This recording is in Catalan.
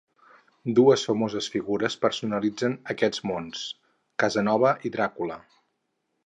Dues famoses figures personifiquen aquests mons, Casanova i Dràcula.